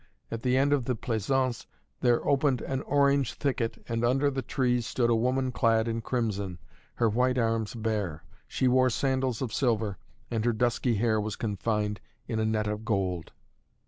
At the end of the plaisaunce there opened an orange thicket and under the trees stood a woman clad in crimson, her white arms bare. She wore sandals of silver, and her dusky hair was confined in a net of gold.